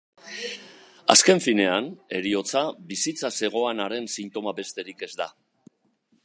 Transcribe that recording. Azken finean, heriotza bizitza zegoenaren sintoma besterik ez da